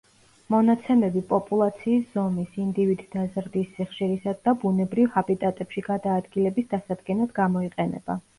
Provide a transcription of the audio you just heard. მონაცემები პოპულაციის ზომის, ინდივიდთა ზრდის სიხშირისა და ბუნებრივ ჰაბიტატებში გადაადგილების დასადგენად გამოიყენება.